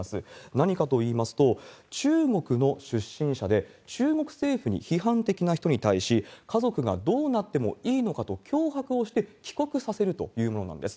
何かといいますと、中国の出身者で、中国政府に批判的な人に対し、家族がどうなってもいいのかと脅迫をして、帰国させるというものなんです。